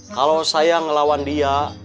kalau saya ngelawan dia